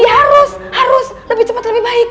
ya harus harus lebih cepet lebih baik